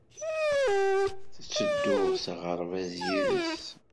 Ttedduɣ s aɣerbaz yid-s.